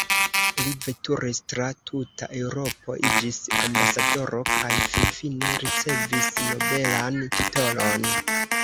Li veturis tra tuta Eŭropo, iĝis ambasadoro kaj finfine ricevis nobelan titolon.